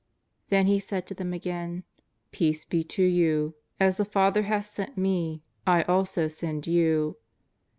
Then He said to them again :" Peace be to you. As the Father hath sent Me, I also send you."